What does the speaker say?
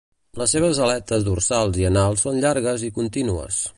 Les seves aletes dorsal i anal són llargues i contínues.